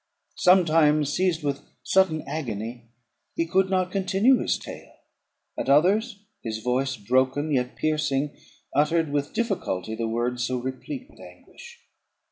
Sometimes, seized with sudden agony, he could not continue his tale; at others, his voice broken, yet piercing, uttered with difficulty the words so replete with anguish.